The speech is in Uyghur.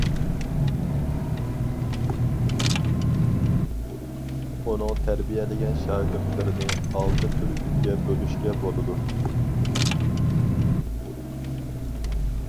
ئۇنىڭ تەربىيەلىگەن شاگىرتلىرىنى ئالتە تۈركۈمگە بۆلۈشكە بولىدۇ.